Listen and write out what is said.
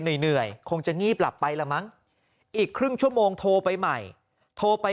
เหนื่อยคงจะงีบหลับไปละมั้งอีกครึ่งชั่วโมงโทรไปใหม่โทรไป